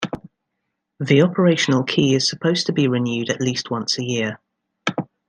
The operational key is supposed to be renewed at least once a year.